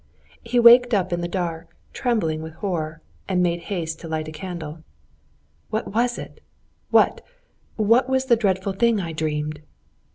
He waked up in the dark, trembling with horror, and made haste to light a candle. "What was it? What? What was the dreadful thing I dreamed?